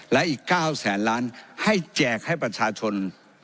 และอีก๙แสนล้านให้แจกให้ประชาชน